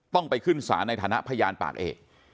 ต้องไปขึ้นสารในฐานะพยานปากเอก